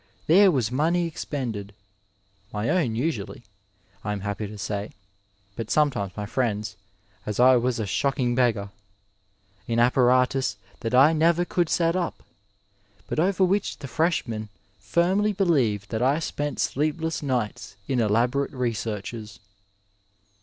there was money expended (my own usually, I am happy to say, but sometimes my friends', as I was a shock ing beggar !) in apparatus that I never could set up, but over which the freshmen firmly believed that I spent sleep less nights in elaborate researches.